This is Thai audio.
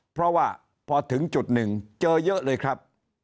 เพราะว่าพอถึงจุดหนึ่งเจอเยอะเลยครับ